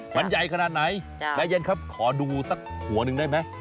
มันใหญ่ขนาดไหนใจเย็นครับขอดูสักหัวหนึ่งได้ไหม